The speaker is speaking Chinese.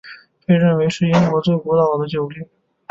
被认为是英国最古老的酒店。